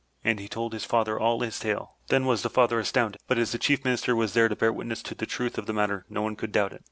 And he told his father all his tale. Then was the father astounded, but as the Chief Minister was there to bear witness to the truth of the matter, no one could doubt it.